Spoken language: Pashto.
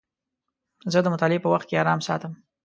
زه د مطالعې په وخت کې ارام ساتم.